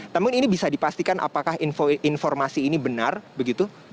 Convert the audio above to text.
namun ini bisa dipastikan apakah informasi ini benar begitu